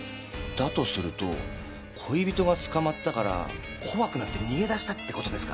だとすると恋人が捕まったから怖くなって逃げ出したって事ですか。